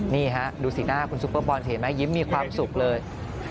นี่ฮะดูสีหน้าคุณซุปเปอร์บอลเห็นไหมยิ้มมีความสุขเลย